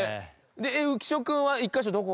浮所君は１カ所どこ？